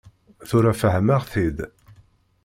Tura fehmeɣ-t-id.